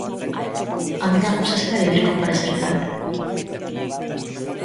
A min acúsaseme de vir comparecer tarde.